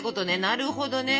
なるほどね。